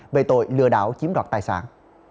về tội lừa đảo chiếm đoạt tài sản